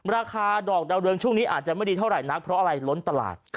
ราคาดอกดาวเรืองช่วงนี้อาจจะไม่ดีเท่าไหร่นักเพราะอะไรล้นตลาด